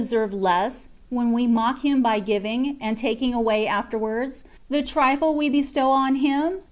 115 serve less, when we mock Him by giving^ and taking away afterwards^ the trifle we bestow on Him